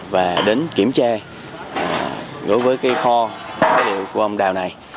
và đến kiểm tra đối với cái kho phế liệu của ông đào này